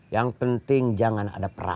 yang penting jangan ada peran